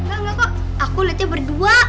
enggak enggak kok aku latihan berdua